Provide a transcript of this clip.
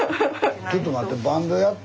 ちょっと待って。